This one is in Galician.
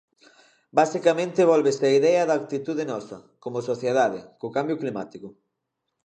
Basicamente vólvese á idea da actitude nosa, como sociedade, co cambio climático.